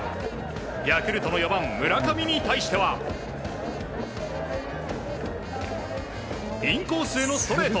ヤクルトの４番、村上に対してはインコースへのストレート。